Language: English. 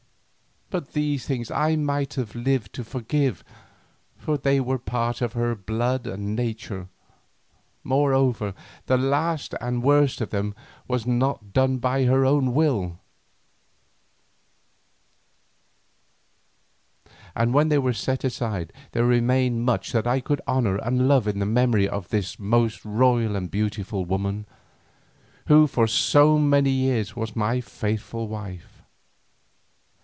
But these things I might have lived to forgive, for they were part of her blood and nature, moreover, the last and worst of them was not done by her own will, and when they were set aside there remained much that I could honour and love in the memory of this most royal and beautiful woman, who for so many years was my faithful wife.